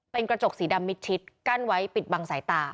เป็นกระจกสีดำมิดชิดกั้นไว้ปิดบังสายตา